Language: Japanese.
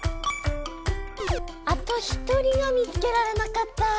あと１人が見つけられなかった。